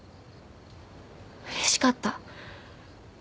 うれしかった。